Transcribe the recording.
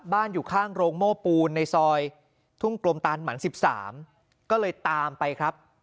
อยู่ข้างโรงโม่ปูนในซอยทุ่งกลมตานหมัน๑๓ก็เลยตามไปครับ